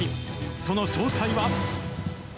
その正体は。